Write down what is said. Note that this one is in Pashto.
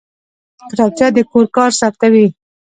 کتابچه د کور کار ثبتوي